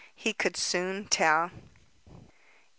He could soon tell. VI.